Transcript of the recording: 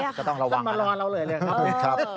จะต้องระวังจะต้องมารอเราเลยนะครับเออครับ